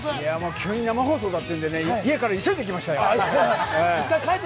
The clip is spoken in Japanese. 急に生放送だというので、家から一生懸命来ましたよ。